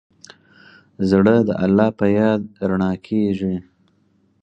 زړه د الله په یاد رڼا کېږي.